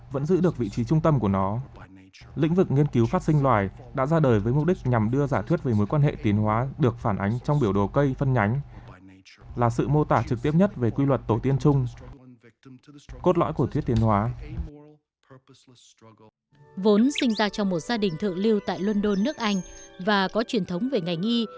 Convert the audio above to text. vốn sinh ra trong một gia đình thượng lưu tại london nước anh và có truyền thống về ngành y